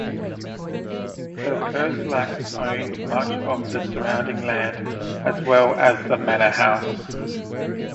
The Kerslakes owned much of the surrounding land as well as the manor house.